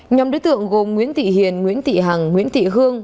nhóm đối tượng gồm nguyễn thị hiền nguyễn thị hằng nguyễn thị hương